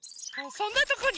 そんなとこに。